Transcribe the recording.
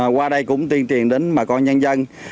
qua đây cũng tiên triền đến bà con nhân dân